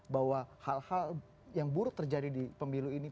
bahwa hal hal yang buruk terjadi di pemilu ini